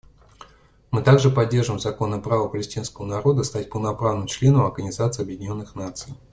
Мы также поддерживаем законное право палестинского народа стать полноправным членом Организации Объединенных Наций.